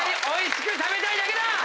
おいしく食べたいだけだ！